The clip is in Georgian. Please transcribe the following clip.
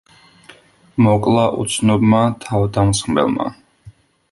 მოკლა უცნობმა თავდამსხმელმა.